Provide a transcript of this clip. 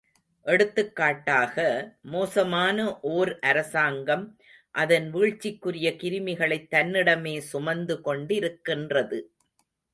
எடுத்துக்காட்டாக, மோசமான ஓர் அரசாங்கம், அதன் வீழ்ச்சிக்குரிய கிருமிகளைத் தன்னிடமே சுமந்து கொண்டிருக்கின்றது.